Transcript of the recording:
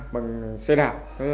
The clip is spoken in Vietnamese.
bằng xe đạp